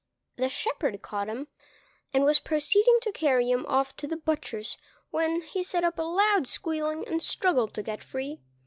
The shepherd caught him, and was proceeding to carry him off to the butcher's when he set up a loud squealing and struggled to get free.